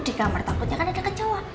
di kamar takutnya kan ada kecewa